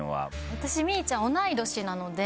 私みぃちゃん同い年なので。